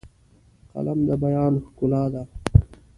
قلم د بیان ښکلا ده